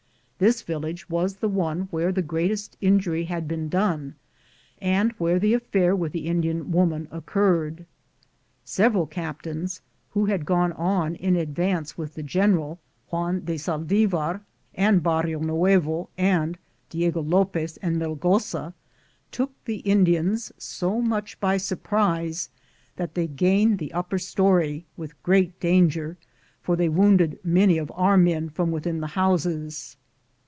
This village was the one where the greatest injury had been done and where the affair with the Indian woman occurred. Several captains who had gone on in ad vance with the general, Juan de Saldivar and Barrionuevo and Diego Lopez and Melgosa, took the Indians so much by surprise that they gained the upper story, with great dan ger, for they wounded many of our men from within the houses.